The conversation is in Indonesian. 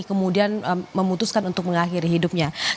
kemudian memutuskan untuk mengakhiri hidupnya